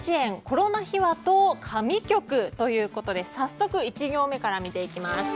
コロナ秘話と神曲ということで早速、１行目から見ていきます。